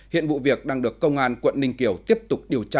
hiện vụ việc đang được công an quận ninh kiều tiếp tục điều tra